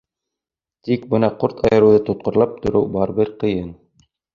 Тик бына ҡорт айырыуҙы тотҡарлап тороу барыбер ҡыйын.